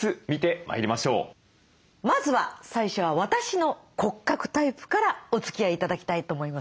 まずは最初は私の骨格タイプからおつきあい頂きたいと思います。